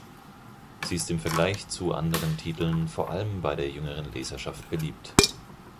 Sie ist im Vergleich zu anderen Titeln vor allem bei der jüngeren Leserschaft beliebt.